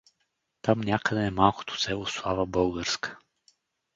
Там някъде е малкото село Слава Българска.